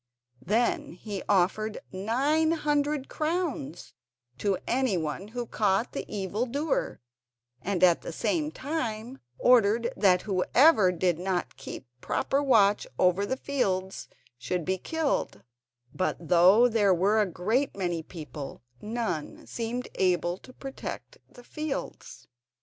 Then he offered nine hundred crowns to anyone who caught the evil doer, and at the same time ordered that whoever did not keep proper watch over the fields should be killed; but though there were a great many people, none seemed able to protect the fields.